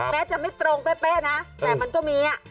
แม้จะไม่ตรงเป๊ะนะแต่มันก็มี